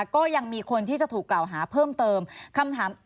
ก็ยังมีคนที่จะถูกกล่าวหาเพิ่มเติมคำถาม